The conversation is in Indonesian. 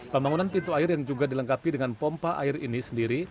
pembangunan pintu air yang juga dilengkapi dengan pompa air ini sendiri